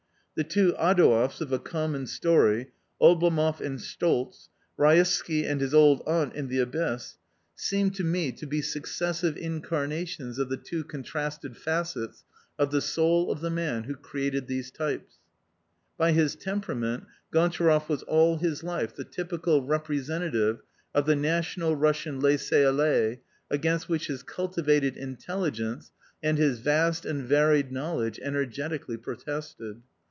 The two Adouevs of A Common Story, Oblomoff and Stoltz, Raisky and his old aunt in The Abyss, seem to xii PREFACE me to be successive incarnations of the two contrasted facets of the soul of the man who created these types. " By his temperament, Gontcharoff was all his life the typical representative of the national Russian laisscr aller against which his cultivated intelligence and his vast and varied knowledge energetically protested.